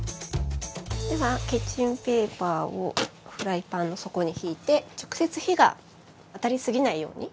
ではキッチンペーパーをフライパンの底にひいて直接火が当たりすぎないようにひいておきます。